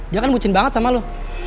dia kan lucin banget sama lo